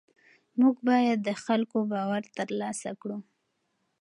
موږ باید د خلکو باور ترلاسه کړو.